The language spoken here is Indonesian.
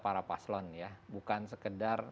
para paslon bukan sekedar